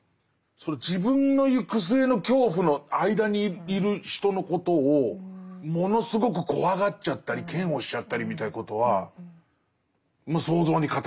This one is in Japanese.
自分の行く末の恐怖の間にいる人のことをものすごく怖がっちゃったり嫌悪しちゃったりみたいなことは想像に難くない。